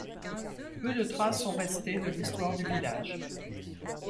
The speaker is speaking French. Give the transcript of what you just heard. Peu de traces sont restées de l'histoire du village.